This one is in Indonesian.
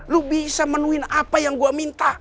lo bisa menuhin apa yang gue minta